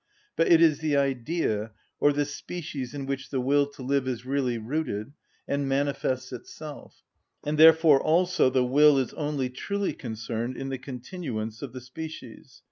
But it is the Idea, or the species in which the will to live is really rooted, and manifests itself; and therefore also the will is only truly concerned in the continuance of the species.